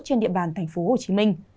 trên địa bàn tp hcm